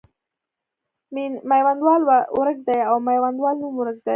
میوندوال ورک دی او د میوندوال نوم ورک دی.